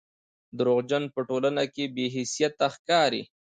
درواغجن په ټولنه کښي بې حيثيته ښکاري